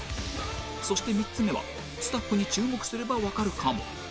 そして３つ目はスタッフに注目すればわかるかも